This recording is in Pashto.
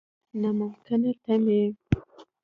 نا ممکنه تمې.